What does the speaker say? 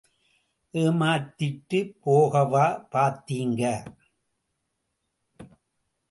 ஏமாத்திட்டுப் போகவா பாத்தீங்க?